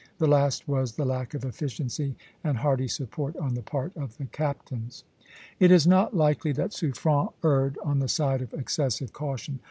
The last was the lack of efficiency and hearty support on the part of his captains. It is not likely that Suffren erred on the side of excessive caution.